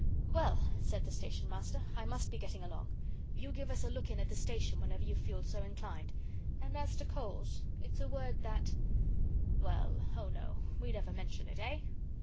"Well," said the Station Master, "I must be getting along. You give us a look in at the Station whenever you feel so inclined. And as to coals, it's a word that well oh, no, we never mention it, eh?"